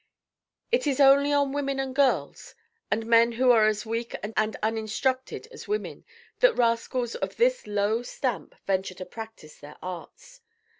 It is only on women and girls, and men who are as weak and uninstructed as women, that rascals of his low stamp venture to practise their arts.